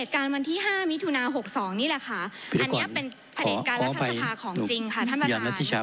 การวันที่ห้ามีทุนาหกสองนี่แหละค่ะอันนี้เป็นของจริงค่ะท่านประธาน